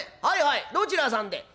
「はいはいどちらさんで？」。